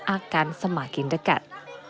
akan semakin dekat